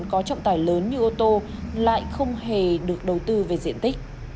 có trọng tải lớn như ô tô lại không hề được đầu tư về diện tích